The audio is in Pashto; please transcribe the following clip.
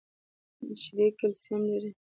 شیدې کلسیم لري